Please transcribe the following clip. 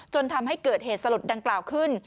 จนทำให้เกิดเหตุสลดดังกล่าวขึ้น